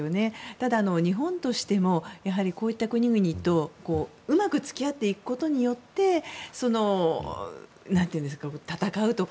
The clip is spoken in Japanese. ただ、日本としてもこういった国々とうまく付き合っていくことで戦うとか。